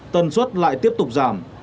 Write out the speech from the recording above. tân suất lại tiếp tục giảm